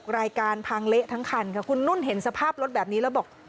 รายการพังเละทั้งคันค่ะคุณนุ่นเห็นสภาพรถแบบนี้แล้วบอก